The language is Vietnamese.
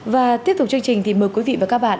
và tiếp tục chương trình thì mời quý vị và các bạn